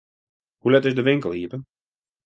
Hoe let is de winkel iepen?